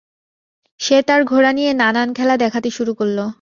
সে তার ঘোড়া নিয়ে নানান খেলা দেখাতে শুরু করল।